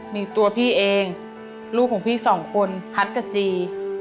มีตัวพี่เองลูกของพี่สองคนพัฒน์กับจี